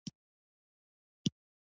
ما له پاچا څخه رخصت اخیستی وو.